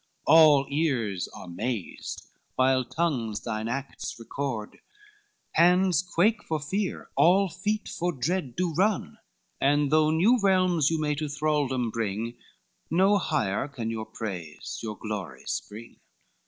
All ears are mazed while tongues thine acts record, Hands quake for fear, all feet for dread do run, And though no realms you may to thraldom bring, No higher can your praise, your glory spring.